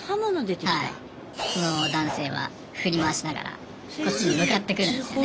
その男性は振り回しながらこっちに向かってくるんですよね。